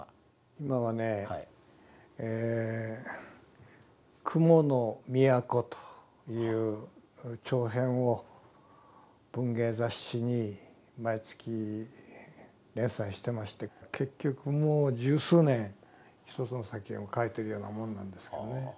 今はね「雲の都」という長編を文芸雑誌に毎月連載してまして結局もう十数年一つの作品を書いてるようなもんなんですけどね。